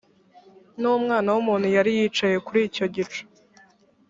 n umwana w umuntu yari yicaye kuri icyo gicu